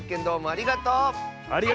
ありがとう！